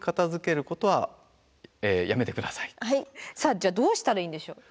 じゃあどうしたらいいんでしょう？